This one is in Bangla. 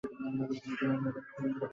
এই ফুলওয়া কে?